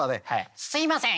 「すみません